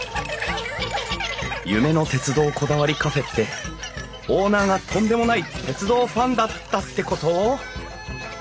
「夢の鉄道こだわりカフェ」ってオーナーがとんでもない鉄道ファンだったってこと？